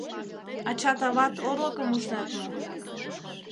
— Ачат-ават орлыкым ужнет мо?